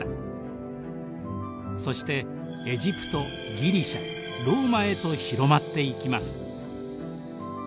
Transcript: そしてエジプトギリシャローマへと広まっていきます。